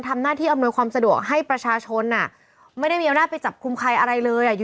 ทำหน้าที่อำนวยความสะดวกให้ประชาชนไม่ได้มีเอาหน้าไปจับคุมใครอะไรเลย